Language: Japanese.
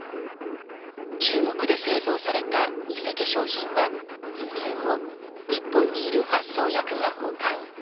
中国で製造された偽化粧品は輸入後日本にいる発送役が保管。